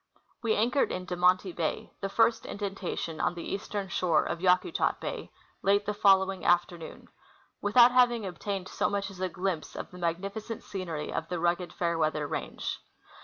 We anchored in De Monti bay, the first indentation on the eastern shore of Yakutat bay, late the following afternoon, without having obtained so much as a glimpse of the magnifi cent scenery of the rugged Fairweather range.